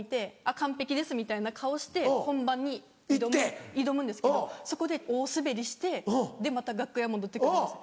完璧ですみたいな顔して本番に挑むんですけどそこで大スベりしてでまた楽屋戻って来るんです。